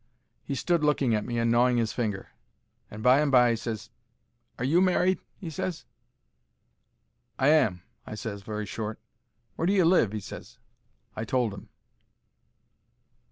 He stood looking at me and gnawing 'is finger, and by and by he ses, "Are you married?" he ses. "I am," I ses, very short. "Where do you live?" he ses. I told 'im.